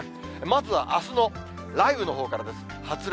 まずはあすの雷雨のほうからです。